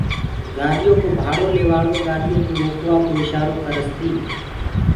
گآڏيو ڪو ڀاڙو ليوآݪو گآڏيو ڪو روڪوآ ڪو اشآرو ڪرس تيٚ